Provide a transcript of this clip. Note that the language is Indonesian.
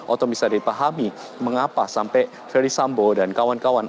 atau bisa dipahami mengapa sampai verdi sambo dan kawan kawan